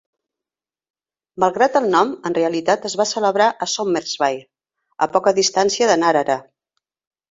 Malgrat el nom, en realitat es va celebrar a Somersby, a poca distància de Narara.